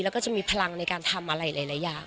แล้วก็จะมีพลังในการทำอะไรหลายอย่าง